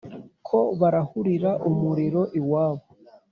ko barahurira umuriro iwabo